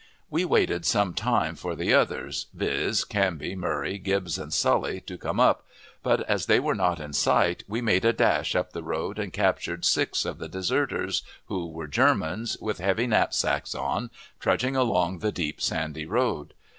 We waited some time for the others, viz., Canby, Murray, Gibbs, and Sully, to come up, but as they were not in sight we made a dash up the road and captured six of the deserters, who were Germans, with heavy knapsacks on, trudging along the deep, sandy road.